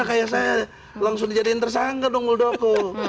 kayak saya langsung dijadiin tersangka dong muldoko